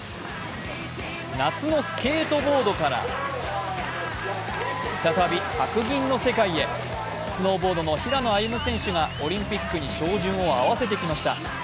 夏のスケートボードから再び白銀の世界へ、スノーボードの平野歩夢選手がオリンピックに照準を合わせてきました。